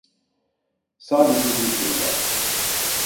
Sadece bir şey var.